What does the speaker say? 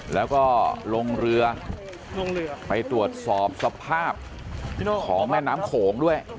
แล้วก็ลงเรือไปตรวจสอบสภาพของแม่น้ำโขงด้วย